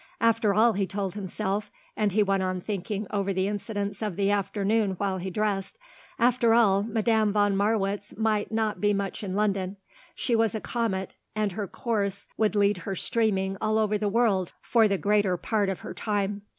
After all, he told himself and he went on thinking over the incidents of the afternoon while he dressed after all, Madame von Marwitz might not be much in London; she was a comet and her course would lead her streaming all over the world for the greater part of her time.